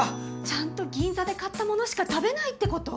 ちゃんと銀座で買った物しか食べないってこと？